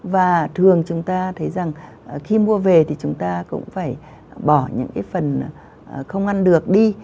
và thường chúng ta thấy rằng khi mua về thì chúng ta cũng phải bỏ những cái phần không ăn được đi